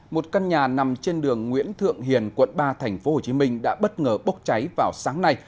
một căn nhà nằm trên đường nguyễn thượng hiền quận ba tp hcm đã bất ngờ bốc cháy vào sáng nay